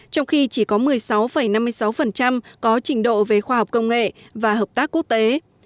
trong khi chỉ có một mươi sáu năm mươi sáu có trình độ về khoa học công nghệ và hợp tác quốc tế